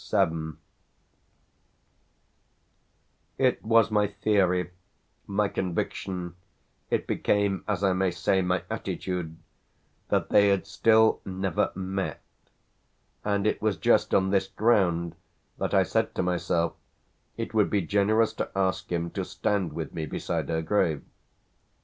VII It was my theory, my conviction, it became, as I may say, my attitude, that they had still never "met;" and it was just on this ground that I said to myself it would be generous to ask him to stand with me beside her grave.